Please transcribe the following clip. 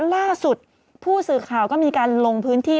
ล่าสุดผู้สื่อข่าวก็มีการลงพื้นที่